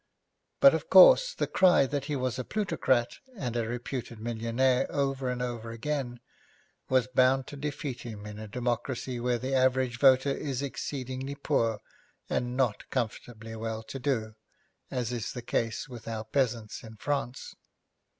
But, of course, the cry that he was a plutocrat, and a reputed millionaire over and over again, was bound to defeat him in a democracy where the average voter is exceedingly poor and not comfortably well to do as is the case with our peasants in France.